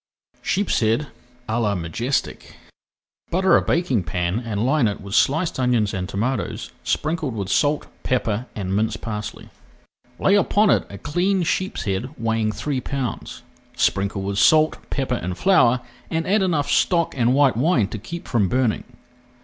SHEEPSHEAD À LA MAJESTIC Butter a baking pan and line it with sliced onions and tomatoes, sprinkled with salt, pepper, and minced parsley. Lay upon it a cleaned sheepshead weighing three pounds. Sprinkle with salt, pepper, and flour, and add enough stock and white wine to keep from burning.